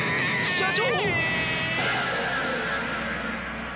社長！